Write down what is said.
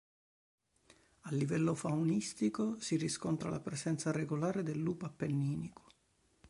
A livello faunistico si riscontra la presenza regolare del lupo appenninico.